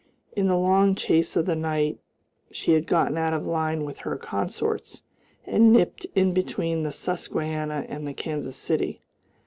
In the long chase of the night she had got out of line with her consorts, and nipped in between the Susquehanna and the Kansas City.